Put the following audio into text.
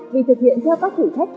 vì thực hiện theo các thử thách